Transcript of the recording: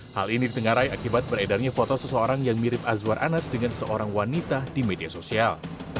hal ini ditengarai akibat beredarnya foto seseorang yang mirip azwar anas dengan seorang wanita di media sosial